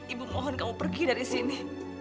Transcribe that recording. ibu mohon kamu pergi dari sini